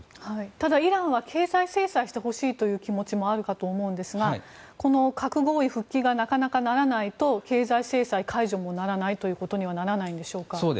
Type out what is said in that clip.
ただ、イランは経済制裁してほしいという思いもあるかと思いますが核合意復帰がなかなかならないと経済制裁解除もならないということにはならないんでしょうか。